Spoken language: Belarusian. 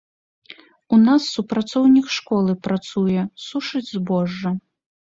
У нас супрацоўнік школы працуе, сушыць збожжа.